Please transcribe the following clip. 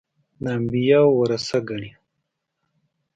د انبیاوو ورثه ګڼي.